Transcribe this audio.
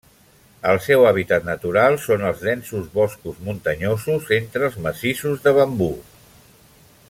El seu hàbitat natural són els densos boscos muntanyosos entre els massissos de bambú.